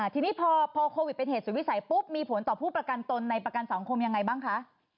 ทีนี้พอโควิดเป็นเหตุสุดวิสัยปุ๊บมีผลต่อผู้ประกันตนในประกันสังคมยังไงบ้างคะ